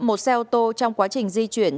một xe ô tô trong quá trình di chuyển